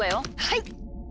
はい！